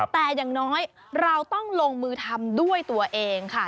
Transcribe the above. แต่อย่างน้อยเราต้องลงมือทำด้วยตัวเองค่ะ